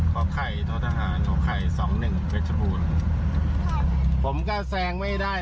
ขอไข่ทศหารขอไข่สองหนึ่งเว็บชะบูนผมก็แซงไม่ได้